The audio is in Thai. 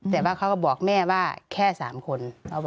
แต่ว่าเขาก็บอกแม่ว่าแค่๓คน